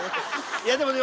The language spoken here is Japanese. いやでもね